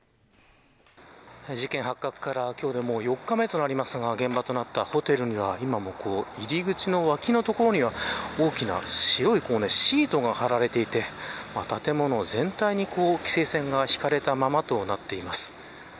事件発覚から今日で４日目となりますが現場となったホテルには今も入り口の脇の所には大きな白いシートが張られていて建物全体に規制線が敷かれたままとなっています。